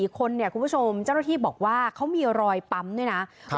๔คนคุณผู้ชมเจ้ารถที่บอกว่าเขามีรอยปั๊มด้วยนะ